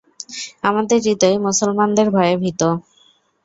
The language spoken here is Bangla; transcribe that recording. আমাদের হৃদয় মুসলমানদের ভয়ে ভীত।